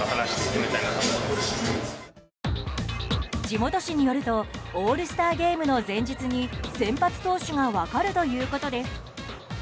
地元紙によるとオールスターゲームの前日に先発投手が分かるということです。